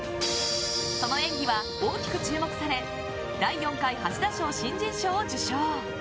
その演技は大きく注目され第４回橋田賞新人賞を受賞。